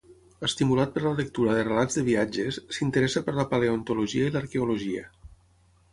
Estimulat per la lectura de relats de viatges, s'interessa per la paleontologia i l'arqueologia.